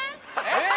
えっ？